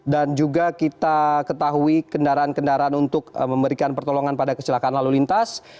dan juga kita ketahui kendaraan kendaraan untuk memberikan pertolongan pada kecelakaan lalu lintas